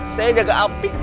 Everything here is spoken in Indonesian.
saya jaga api